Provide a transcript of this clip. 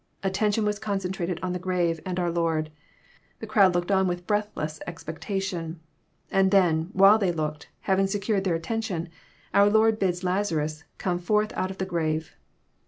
Attention was concentrated on the grave and our Lord. The crowd looked on with breath less expectation ; and then, while they looked, having secured their attention, our Lord bids Lazarus come forth out of the grave.